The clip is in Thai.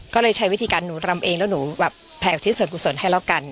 ก็เลยใช้วิธีการหนูรำเองแล้วหนูแบบแผ่อุทิศส่วนกุศลให้แล้วกัน